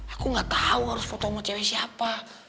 aku enggak tahu harus foto sama cewek siapa